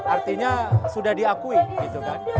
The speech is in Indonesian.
artinya sudah diakui gitu kan